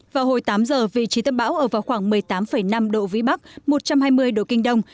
vào hồi tám giờ vị trí tâm bão ở vào khoảng một mươi tám năm độ vĩ bắc một trăm hai mươi độ kinh đông